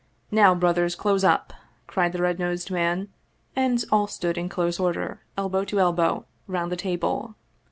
" Now, brothers, close up !" cried the red nosed man, and all stood in close order, elbow to elbow, round the table.